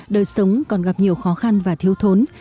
đời sống còn gặp nhiều khó khăn và thiếu thốn